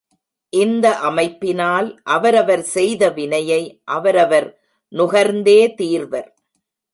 இந்த அமைப்பினால், அவரவர் செய்த வினையை அவரவர் நுகர்ந்தே தீர்வர்.